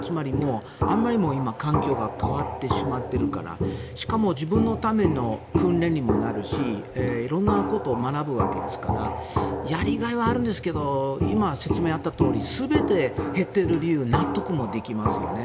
つまり、あまりにも今、環境が変わってしまっているからしかも自分のための訓練にもなるし色んなことを学ぶわけですからやりがいはあるんですけど今、説明があったとおり全て減っている理由納得もできますよね。